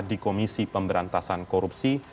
di komisi pemberantasan korupsi